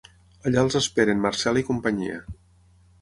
Allà els esperen Marcel i companyia.